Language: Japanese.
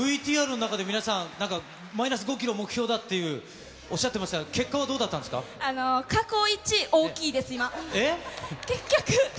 ＶＴＲの中で皆さん、なんかマイナス５キロ目標だっていう、おっしゃってましたが、結果はど過去一、大きいです、今。